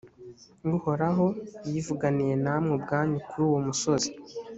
uhoraho yivuganiye namwe ubwanyu kuri uwo musozi